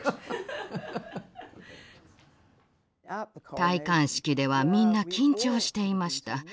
戴冠式ではみんな緊張していました。